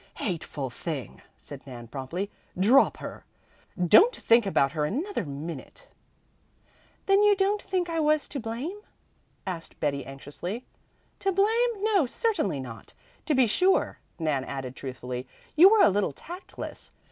"Hateful thing!" said Nan promptly. "Drop her. Don't think about her another minute." "Then you don't think I was to blame?" asked Betty anxiously. "To blame? No, certainly not. To be sure," Nan added truthfully, "you were a little tactless.